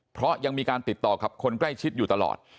เพราะยังมีการติดต่อกับคนใกล้ชิดอยู่ตลอด